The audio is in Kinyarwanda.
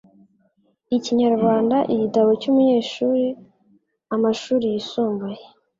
Ikinyarwanda Igitabo cy'umunyeshuri Amashuri yisumbuye